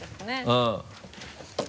うん。